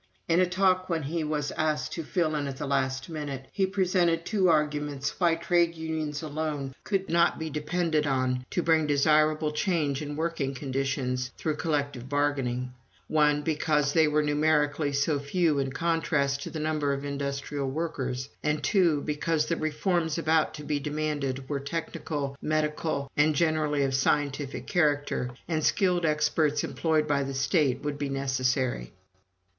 In a talk when he was asked to fill in at the last minute, he presented "two arguments why trade unions alone could not be depended on to bring desirable change in working conditions through collective bargaining: one, because they were numerically so few in contrast to the number of industrial workers, and, two, because the reforms about to be demanded were technical, medical, and generally of scientific character, and skilled experts employed by the state would be necessary."